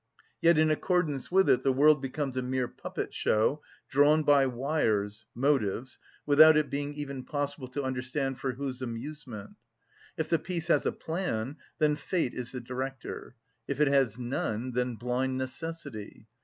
Yet in accordance with it the world becomes a mere puppet‐show, drawn by wires (motives), without it being even possible to understand for whose amusement. If the piece has a plan, then fate is the director; if it has none, then blind necessity.